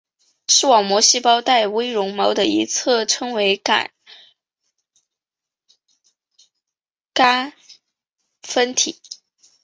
视网膜细胞带微绒毛的一侧称为感杆分体。